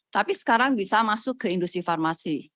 tapi sekarang bisa masuk ke industri farmasi